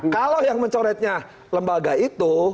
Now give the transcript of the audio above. kalau yang mencoretnya lembaga itu